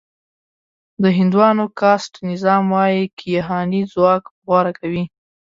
د هندوانو کاسټ نظام وايي کیهاني ځواک غوره کوي.